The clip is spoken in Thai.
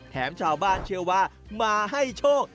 ชาวบ้านเชื่อว่ามาให้โชค